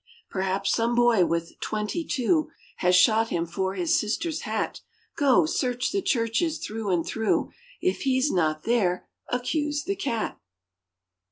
Perhaps some boy with "twenty two" Has shot him for his sister's hat. Go! search the churches through and through; If he's not there, accuse the cat.